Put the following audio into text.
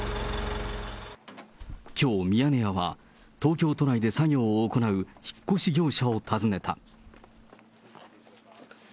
きょう、ミヤネ屋は東京都内で作業を行う引っ越し業者を訪ねた。